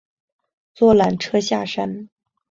坐缆车下山